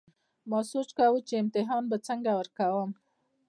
ما سوچ کوو چې امتحان به څنګه ورکوم